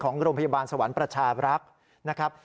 ของโรงพยาบาลสวรรค์ประชาบรักษ์นะครับ